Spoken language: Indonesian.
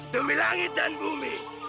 demi langit dan bumi